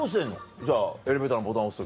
じゃあエレベーターのボタン押す時。